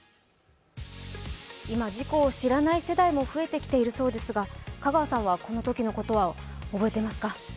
今、事故を知らない世代も増えてきているそうですが香川さんは、このときのことは覚えていますか？